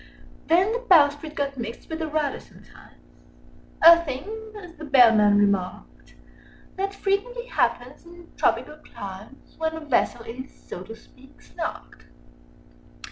Then the bowsprit got mixed with the rudder sometimes: Â Â Â Â A thing, as the Bellman remarked, That frequently happens in tropical climes, Â Â Â Â When a vessel is, so to speak, "snarked."